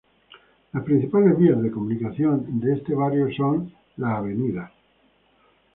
Las principales vías de comunicación de este barrio son la Avda.